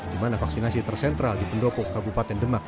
di mana vaksinasi tersentral di pendopo kabupaten demak